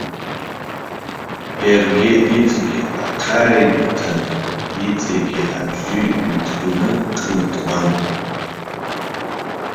Иаргьы, иҵегьгьы аҽааибыҭан, иҵегьгьы абжьы ҩҭганы ҿнаҭуан.